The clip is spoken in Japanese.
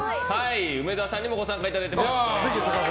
梅沢さんにもご参加いただきます。